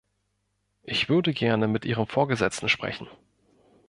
Ich würde gerne mit Ihrem Vorgesetzten sprechen.